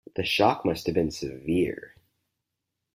The shock must have been severe.